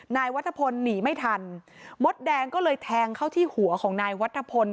นายวัฒพลหนีไม่ทันมดแดงก็เลยแทงเข้าที่หัวของนายวัฒนพล